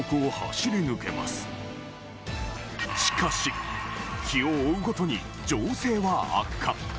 しかし、日を追うごとに情勢は悪化。